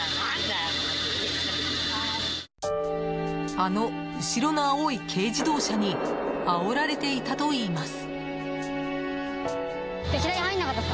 あの後ろの青い軽自動車にあおられていたといいます。